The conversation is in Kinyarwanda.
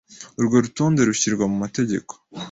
Urwo rutonde rushyirwa mu mategeko